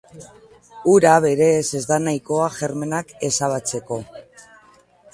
Ura, berez, ez da nahikoa germenak ezabatzeko.